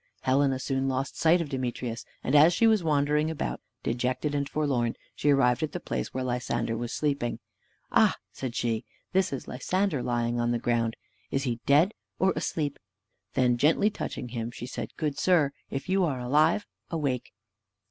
Helena soon lost sight of Demetrius; and as she was wandering about, dejected and forlorn, she arrived at the place where Lysander was sleeping. "Ah!" said she, "this is Lysander lying on the ground: is he dead or asleep?" Then, gently touching him, she said, "Good sir, if you are alive, awake."